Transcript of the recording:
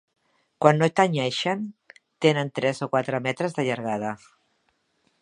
Quan no tenyeixen tenen tres o quatre metres de llargada.